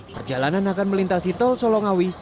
perjalanan akan melintasi tol solongawi